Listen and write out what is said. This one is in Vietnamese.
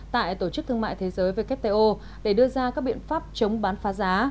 tại tổ chức thương mại thế giới wto để đưa ra các biện pháp chống bán phá giá